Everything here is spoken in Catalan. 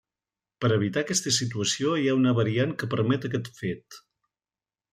Per evitar aquesta situació hi ha una variant que permet aquest fet.